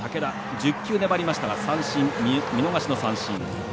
１０球粘りましたが見逃しの三振。